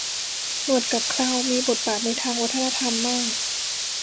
หนวดกับเครามีบทบาทในทางวัฒนธรรมมาก